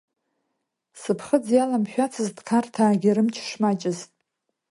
Сыԥхыӡ иаламшәацызт Қарҭаагьы рымч шмаҷыз.